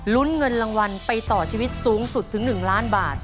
ลุ้นเงินรางวัลไปต่อชีวิตสูงสุดถึง๑ล้านบาท